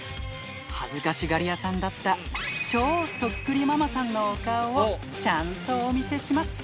恥ずかしがり屋さんだった、超そっくりママさんのお顔をちゃんとお見せします。